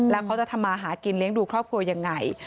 แล้วเขาจะทำมาหากินเลี้ยงดูครอบครัวยังไง